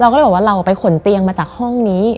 ก็เลยบอกว่าเราไปขนเตียงมาจากห้องนี้